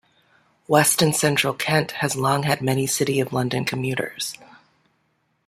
West and Central Kent has long had many City of London commuters.